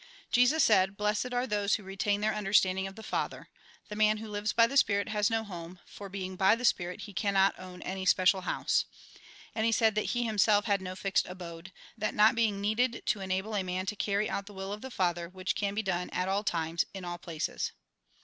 Jesus said :" Blessed are those who retain their understanding of the Father. The man who lives by the Spirit has no home, for, being by the Spirit, he cannot own any special house." And he said that he himself had no fixed abode ; that not being needed to enable a man to carry out the will of the Father, which can be done at all times, in all places.